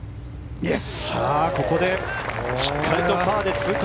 ここでしっかりとパーで通過。